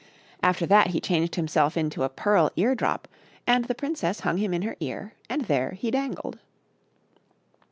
After that he changed himself into a pearl ear drop, and the princess hung him in her ear, and there he dangled.